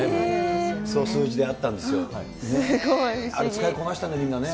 使いこなしたよね、みんなね。